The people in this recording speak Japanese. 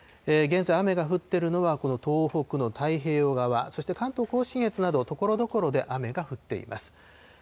現在、雨が降っているのは東北の太平洋側、そして関東甲信越など、ところどころで雨が降っています。